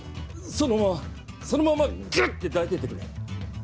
そのままそのままグッて抱いててくれ。